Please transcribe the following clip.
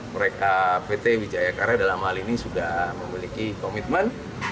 mereka pt wijaya karya dalam hal ini sudah memiliki komitmen